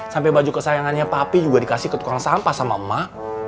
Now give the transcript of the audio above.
sampai baju kesayangannya papi juga dikasih ke tukangan sampah sama emak